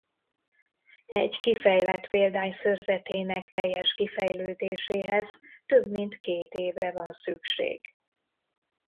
Egy kifejlett példány szőrzetének teljes kifejlődéséhez több mint két évre van szükség.